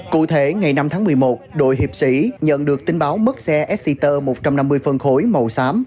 cụ thể ngày năm tháng một mươi một đội hiệp sĩ nhận được tin báo mất xe esger một trăm năm mươi phân khối màu xám